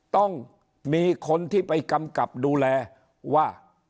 ต้องมีคนที่ไปกำกับดูแลว่า